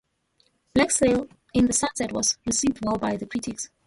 "Black Sails in the Sunset" was received well by critics.